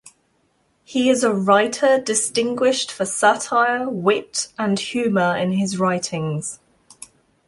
He is a writer distinguished for satire, wit and humour in his writings.